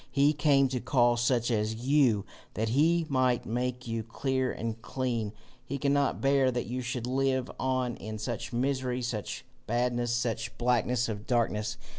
He came to call such as you, that he might make you clear and clean. He cannot bear that you should live on in such misery, such badness, such blackness of darkness.